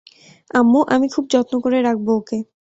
আম্মু, আমি খুব যত্ন করে রাখবো ওকে।